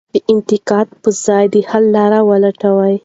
د انتقاد په ځای د حل لار ولټوئ.